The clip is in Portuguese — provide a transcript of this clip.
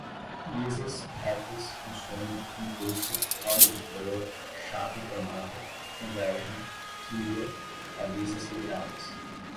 lisas, retas, consumo, empuxo, roda de proa, chapa enformada, convergem, quilha, balizas reviradas